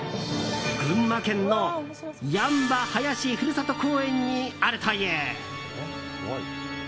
群馬県の八ッ場林ふるさと公園にあるという。